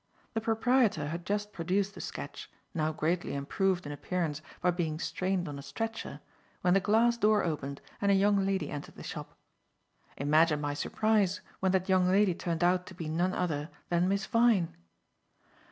The proprietor had just produced the sketch, now greatly improved in appearance by being strained on a stretcher, when the glass door opened and a young lady entered the shop. Imagine my surprise when that young lady turned out to be none other than Miss Vyne.